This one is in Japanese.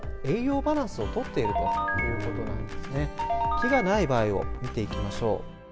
木がない場合を見ていきましょう。